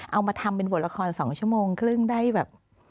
เอามาทำเป็นบทละคร๒ชั่วโมงครึ่งได้แบบ